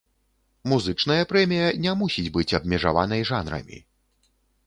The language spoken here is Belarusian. Музычная прэмія не мусіць быць абмежаванай жанрамі.